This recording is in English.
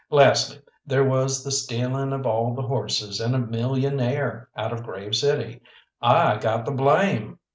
Lastly, there was the stealing of all the horses and a millionaire out of Grave City; I got the blame.